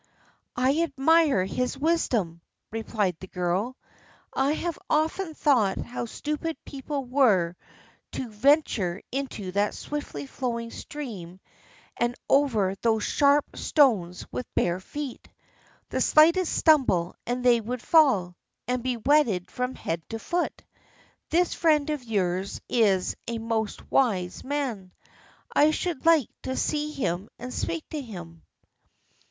"I admire his wisdom," replied the girl. "I have often thought how stupid people were to venture into that swiftly flowing stream and over those sharp stones with bare feet. The slightest stumble and they would fall, and be wetted from head to foot. This friend of yours is a most wise man. I should like to see him and speak to him."